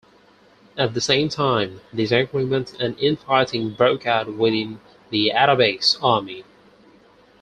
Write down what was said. At the same time, disagreements and infighting broke out within the Atabeg's army.